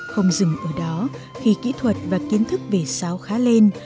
không dừng ở đó khi kỹ thuật và kiến thức về sáo khá lên